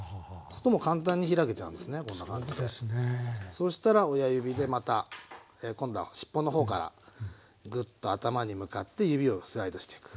そうしたら親指でまた今度はしっぽの方からグッと頭に向かって指をスライドしていく。